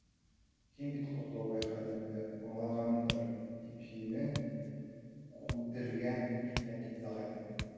Һуң мин бит Ҡотлобай хәлемде аңлағандыр ҙа һине күндергән икән, тип уйлағайным.